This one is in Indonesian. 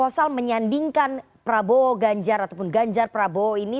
sebetulnya proposal menyandingkan prabowo gajar ataupun gajar prabowo ini